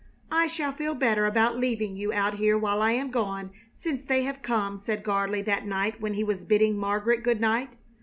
"I shall feel better about leaving you out here while I am gone, since they have come," said Gardley that night when he was bidding Margaret good night.